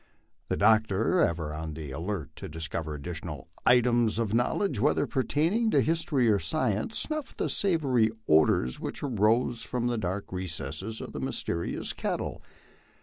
The doctor, ever on the alert to discover additional items of knowledge, whether pertaining to his tory or science, snuffed the savory odors which arose from the dark recesses of the mysterious kettle.